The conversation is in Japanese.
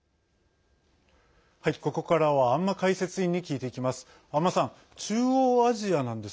ここからは安間解説委員に聞いていきます。